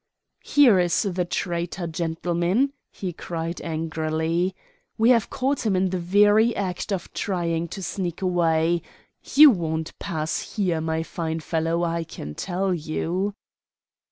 "Here is the traitor, gentlemen," he cried angrily. "We have caught him in the very act of trying to sneak away. You won't pass here, my fine fellow, I can tell you."